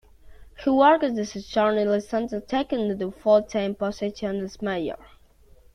He worked as a journalist until taking on the full-time position as Mayor.